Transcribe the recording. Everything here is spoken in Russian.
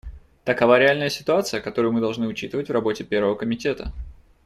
Такова реальная ситуация, которую мы должны учитывать в работе Первого комитета.